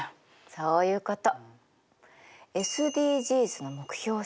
そういうこと。